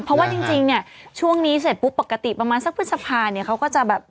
เพราะว่าจริงเนี่ยช่วงนี้เสร็จปุ๊บปกติประมาณสักพฤษภาเนี่ยเขาก็จะแบบ